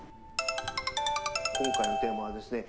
今回のテーマはですね